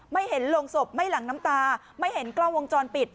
ไม่เห็นโรงศพไม่หลั่งน้ำตาไม่เห็นกล้องวงจรปิด